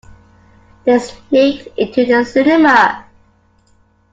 They sneaked into the cinema.